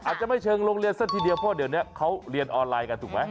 อาจจะไม่เชิงโรงเรียนซะทีเดียวเพราะเดี๋ยวนี้เขาเรียนออนไลน์กันถูกไหม